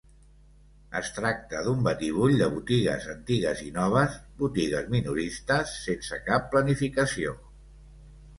Es tracta d'un batibull de botigues antigues i noves botigues minoristes sense cap planificació.